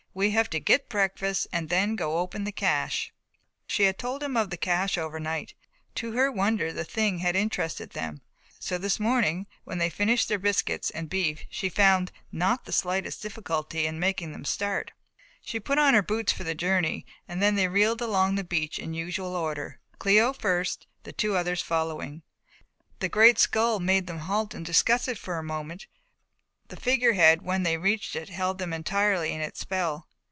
We have to get breakfast and then go and open the cache." She had told them of the cache overnight and, to her wonder, the thing had interested them, so this morning when they had finished their biscuits and beef she found not the slightest difficulty in making them start. She put on her boots for the journey and then they reeled along the beach in the usual order, Cléo first, the two others following; the great skull made them halt and discuss it for a moment but the figure head when they reached it held them entirely in its spell.